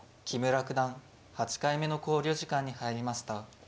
木村九段８回目の考慮時間に入りました。